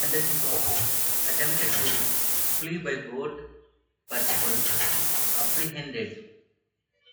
Andronikos attempted to flee by boat but was apprehended.